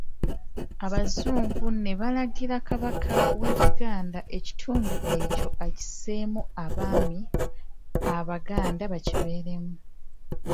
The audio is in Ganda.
Abazungu ne balagira, Kabaka w'e Buganda ekitundu ekyo akisseemu abaami Abaganda bakibeeremu.